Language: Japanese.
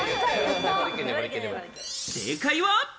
正解は。